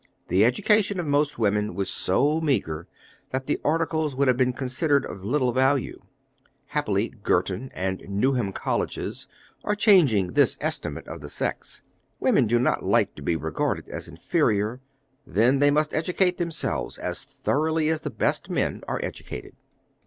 The education of most women was so meagre that the articles would have been considered of little value. Happily Girton and Newnham colleges are changing this estimate of the sex. Women do not like to be regarded as inferior; then they must educate themselves as thoroughly as the best men are educated.